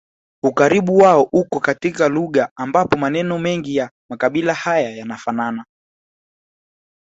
Ukaribu wao uko katika lugha ambapo maneno mengi ya makabila haya yanafanana